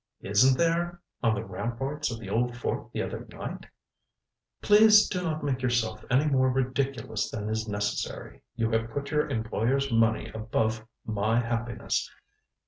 "Isn't there? On the ramparts of the old fort the other night " "Please do not make yourself any more ridiculous than is necessary. You have put your employer's money above my happiness.